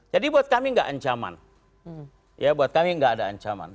jadi buat kami enggak ancaman ya buat kami enggak ada ancaman